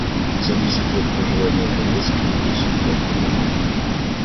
За десять лет проживания в Донецке выбрался туда впервые.